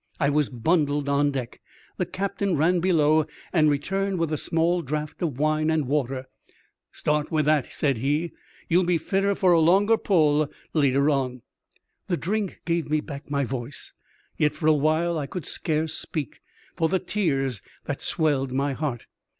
I was bundled on deck, the captain ran below, and returned with a small draught of wine and water. " Start with that," said he. You'll be fitter for a longer pull later on." The drink gave me back my voice ; yet for a while I could scarce speak, for the tears that swelled my heart.